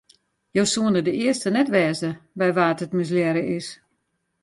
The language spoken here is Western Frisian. Jo soene de earste net wêze by wa't it mislearre is.